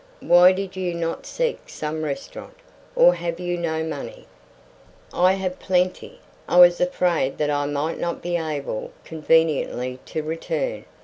"Why did you not seek some restaurant? Or have you no money?" "I have plenty. I was afraid that I might not be able conveniently to return.